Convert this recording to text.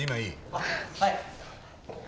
あっはい。